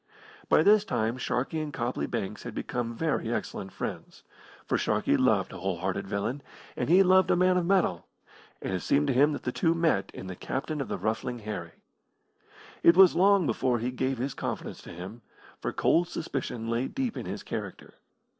By this time Sharkey and Copley Banks had become very excellent friends, for Sharkey loved a whole hearted villain, and he loved a man of metal, and it seemed to him that the two met in the captain of the Ruffling Harry. It was long before he gave his confidence to him, for cold suspicion lay deep in his character.